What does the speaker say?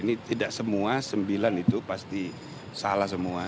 ini tidak semua sembilan itu pasti salah semua